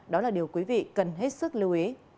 đó là điều quý vị cần hết sức lưu ý